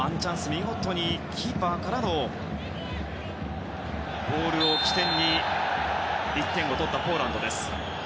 見事にキーパーからのボールを起点に１点を取ったポーランド。